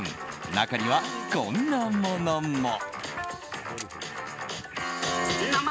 中には、こんなものも。